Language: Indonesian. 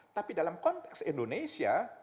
tapi dalam konteks indonesia